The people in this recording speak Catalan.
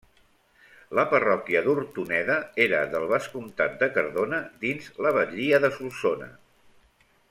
La parròquia d'Hortoneda era del vescomtat de Cardona dins la batllia de Solsona.